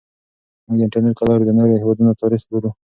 موږ د انټرنیټ له لارې د نورو هیوادونو تاریخ لولو.